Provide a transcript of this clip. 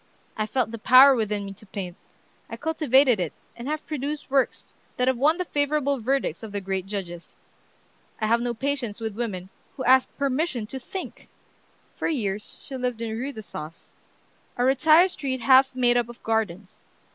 I felt the power within me to paint; I cultivated it, and have produced works that have won the favorable verdicts of the great judges. I have no patience with women who ask permission to think!" For years she lived in Rue d'Assas, a retired street half made up of gardens.